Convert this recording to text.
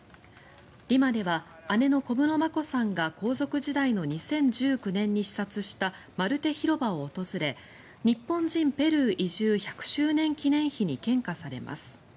リマでは姉の小室眞子さんが皇族時代の２０１９年に視察したマルテ広場を訪れ日本人ペルー移住１００周年記念碑に献花されます。